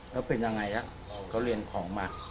แล้วเป็นยังไงล่ะเขาเรียนของมา